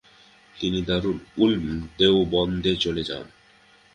তিনি দারুল উলুম দেওবন্দে চলে যান।